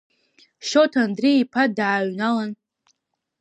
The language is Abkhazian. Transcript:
Шьоҭа Андреи-иԥа дааҩналан…